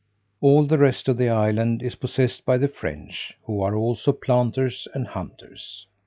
All the rest of the island is possessed by the French, who are also planters and hunters.